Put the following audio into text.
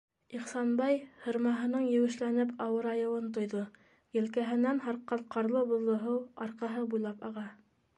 Ихсанбай һырмаһының еүешләнеп ауырайыуын тойҙо, елкәһенән һарҡҡан ҡарлы-боҙло һыу арҡаһы буйлап аға.